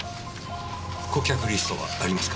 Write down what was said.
顧客リストはありますか？